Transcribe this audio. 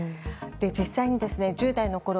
実際に、１０代のころ